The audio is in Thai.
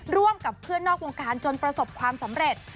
ร่วมกับเพื่อนนอกวงการจนประสบความสำเร็จ